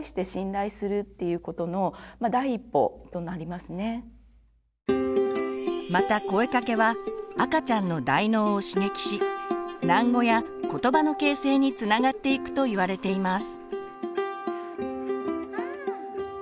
ですからまた声かけは赤ちゃんの大脳を刺激し喃語やことばの形成につながっていくといわれています。